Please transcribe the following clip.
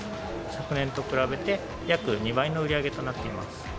昨年と比べて約２倍の売り上げとなっています。